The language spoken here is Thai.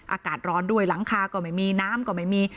อากาศร้อนด้วยหลังคาก็ไม่มีน้ำก็ไม่มี